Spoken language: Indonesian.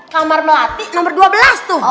kamar melati nomor dua belas tuh